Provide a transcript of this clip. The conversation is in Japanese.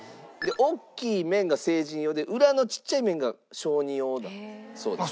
おっきい面が成人用で裏のちっちゃい面が小児用だそうです。